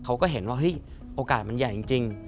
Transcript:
เขาก็เห็นว่าเฮ้ยโอกาสมันใหญ่จริง